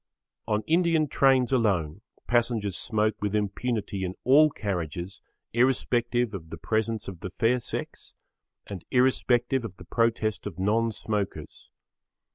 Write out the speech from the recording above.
On Indian trains alone passengers smoke with impunity in all carriages irrespective of the presence of the fair sex and irrespective of the protest of non smokers.